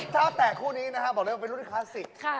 เท้าแต่กคู่นี้นะครับเป็นรุ่นคลาสสิก